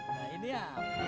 nah ini ya